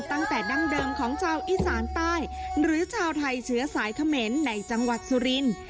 ตั้งแต่ดั้งเดิมของชาวอีสานใต้หรือชาวไทยเชื้อสายเขมรในจังหวัดสุรินทร์